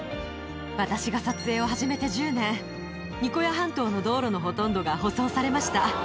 私が撮影を始めて１０年、ニコヤ半島の道路のほとんどが舗装されました。